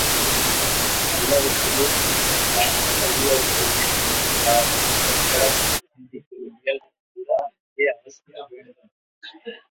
நல்லவற்றுள்ளே தீமையுண்டா, தீயவற்றுள்ளே நன்மை உண்டா என முரண்படச் சிந்திக்கும் இயல்பும்கூட அங்கே அவசியம் வேண்டும்.